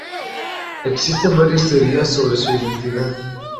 Existen varias teorías sobre su identidad.